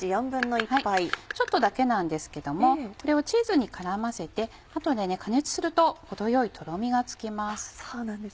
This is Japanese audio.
ちょっとだけなんですけどもこれをチーズに絡ませて後で加熱すると程よいとろみがつきます。